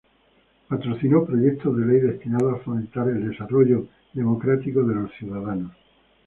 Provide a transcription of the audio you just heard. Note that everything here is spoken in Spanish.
Patrocinó proyectos de ley destinados a fomentar el desarrollo democrático de los ciudadanos.